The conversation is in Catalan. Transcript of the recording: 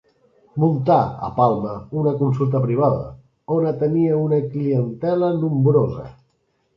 Muntà a Palma una consulta privada, on atenia una clientela nombrosa.